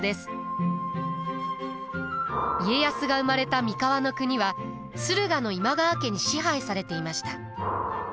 家康が生まれた三河国は駿河の今川家に支配されていました。